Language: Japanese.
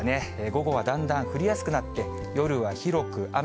午後はだんだん降りやすくなって、夜は広く雨。